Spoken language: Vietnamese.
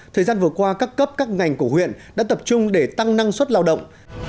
thời gian vừa qua các cấp các ngành của huyện đã tập trung để tăng năng suất lao động